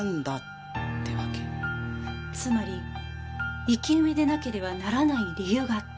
つまり生き埋めでなければならない理由があった。